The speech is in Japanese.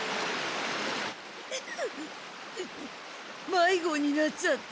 まいごになっちゃった。